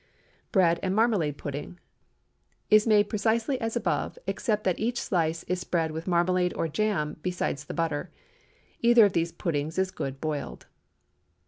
BREAD AND MARMALADE PUDDING ✠ Is made precisely as above, except that each slice is spread with marmalade or jam besides the butter. Either of these puddings is good boiled.